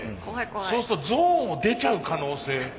そうするとゾーンを出ちゃう可能性。